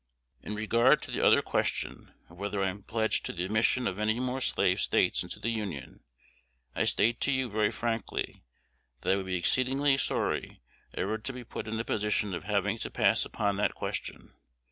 In regard to the other question, of whether I am pledged to the admission of any more Slave States into the Union, I state to you very frankly, that I would be exceedingly sorry ever to be put in a position of having to pass upon that question.